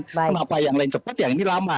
kenapa yang lain cepat yang ini lama